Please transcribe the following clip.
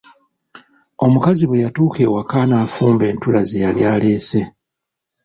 Omukazi bwe yatuuka ewaka n'afumba entula ze yali aleese.